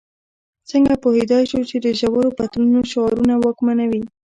څنګه پوهېدای شو چې د ژورو بدلونونو شعارونه واکمنوي.